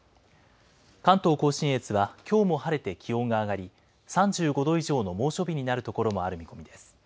関東甲信越はきょうも晴れて気温が上がり、３５度以上の猛暑日になる所もある見込みです。